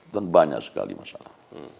kan banyak sekali masalah